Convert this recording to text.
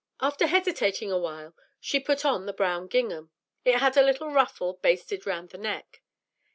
After hesitating awhile she put on the brown gingham. It had a little ruffle basted round the neck.